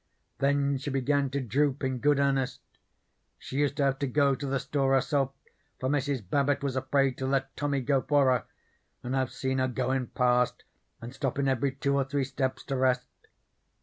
Then she began to droop in good earnest. She used to have to go to the store herself, for Mrs. Babbit was afraid to let Tommy go for her, and I've seen her goin' past and stoppin' every two or three steps to rest.